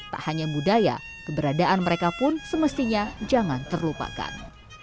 tak hanya budaya keberadaan mereka pun semestinya jangan terlupakan